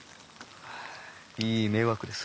はあいい迷惑です。